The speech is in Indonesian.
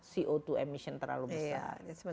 co dua emission terlalu besar